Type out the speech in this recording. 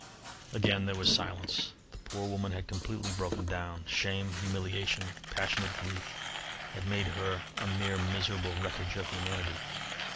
Again there was silence. The poor woman had completely broken down. Shame, humiliation, passionate grief, had made of her a mere miserable wreckage of humanity.